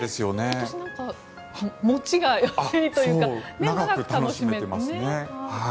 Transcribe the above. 今年、持ちがいいというか長く楽しめてね。